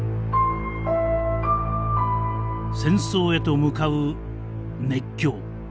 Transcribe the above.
戦争へと向かう熱狂。